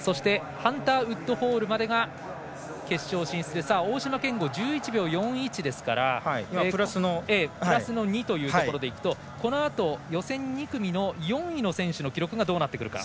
そしてハンター・ウッドホールまでが決勝進出で大島健吾、１１秒４１ですからプラスの２というところでいくとこのあと、予選２組の４位の選手の記録がどうなってくるか。